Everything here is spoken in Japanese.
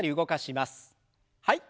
はい。